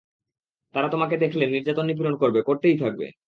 তারা তোমাকে দেখলে নির্যাতন-নিপীড়ন করবে, করতেই থাকবে।